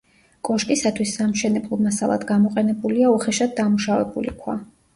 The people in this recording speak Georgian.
კოშკისათვის სამშენებლო მასალად გამოყენებულია უხეშად დამუშავებული ქვა.